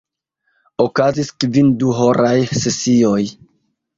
Okazis kvin duhoraj sesioj.